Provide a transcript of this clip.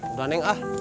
udah neng ah